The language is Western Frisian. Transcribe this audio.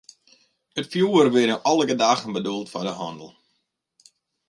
It fjoerwurk wie nei alle gedachten bedoeld foar de hannel.